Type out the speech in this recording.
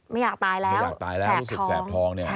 ไม่อยากตายแล้วแสบท้อง